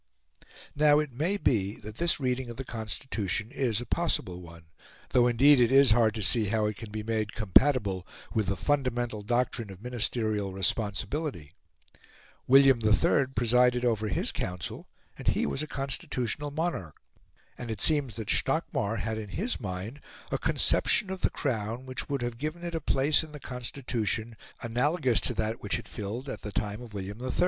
Now it may be that this reading of the Constitution is a possible one, though indeed it is hard to see how it can be made compatible with the fundamental doctrine of ministerial responsibility. William III presided over his Council, and he was a constitutional monarch; and it seems that Stockmar had in his mind a conception of the Crown which would have given it a place in the Constitution analogous to that which it filled at the time of William III.